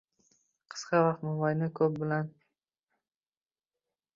Qisqa vaqt mobaynida ko‘p bilim olish miya uchun zararli emasmi?